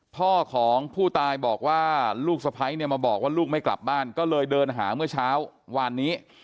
พ่อของผู้ตายบอกว่าลูกสะพ้ายเนี่ยมาบอกว่าลูกไม่กลับบ้านก็เลยเดินหาเมื่อเช้าวานนี้